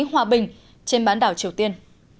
và giữ không khí hòa bình trên bán đảo triều tiên